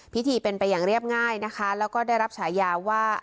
พิธีเป็นไปอย่างเรียบง่ายนะคะแล้วก็ได้รับฉายาว่า